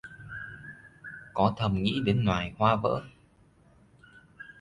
Có thầm nghĩ đến loài...hoa vỡ